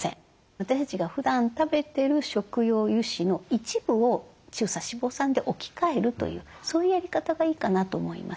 私たちがふだん食べてる食用油脂の一部を中鎖脂肪酸で置き換えるというそういうやり方がいいかなと思います。